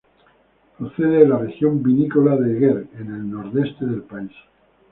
Procede de la región vinícola de Eger, en el nordeste del país.